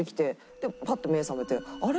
でパッと目覚めてあれ？